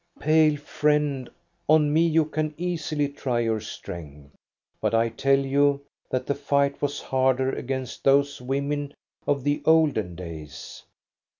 Pale friend, on me you can easily try your strength, but I tell you that the fight was harder against those women of the olden days.